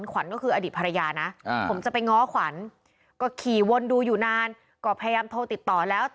ขวัญก็คืออดีตภรรยานะผมจะไปง้อขวัญก็ขี่วนดูอยู่นานก็พยายามโทรติดต่อแล้ว